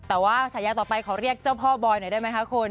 แต่ว่าฉายาต่อไปขอเรียกเจ้าพ่อบอยหน่อยได้ไหมคะคุณ